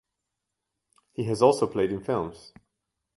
He has also played in films.